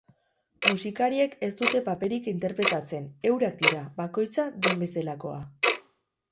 Musikariek ez dute paperik interpretatzen, eurak dira, bakoitza den bezalakoa.